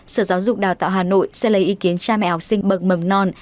sở giáo dục đào tạo hà nội sẽ lấy ý kiến cha mẹ học sinh bậc mầm non